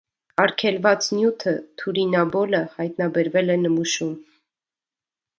Արգելված նյութը՝ թուրինաբոլը, հայտնաբերվել է նմուշում։